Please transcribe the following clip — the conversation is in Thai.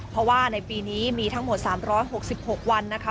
เพราะว่าในปีนี้มีทั้งหมด๓๖๖วันนะคะ